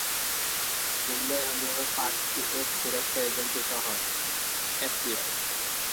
मुंबई हमले में पाक की एक सुरक्षा एजेंसी का हाथ: एफबीआई